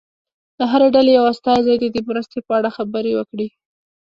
له هرې ډلې یو استازی دې د مرستې په اړه خبرې وکړي.